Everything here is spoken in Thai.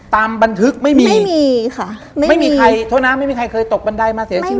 ตามบันทึกไม่มีไม่มีค่ะไม่มีใครโทษนะไม่มีใครเคยตกบันไดมาเสียชีวิต